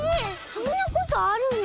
そんなことあるんだ。